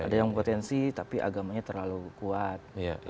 ada yang potensi tapi agamanya terlalu kuat